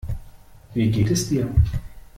Wie geht es dir?